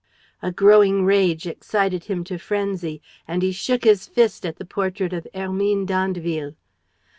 A growing rage excited him to frenzy; and he shook his fist at the portrait of Hermine d'Andeville.